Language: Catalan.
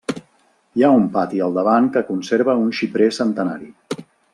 Hi ha un pati al davant que conserva un xiprer centenari.